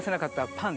パン？